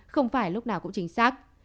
không phải lúc nào cũng chính xác